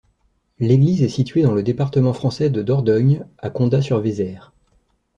L'église est située dans le département français de Dordogne, à Condat-sur-Vézère.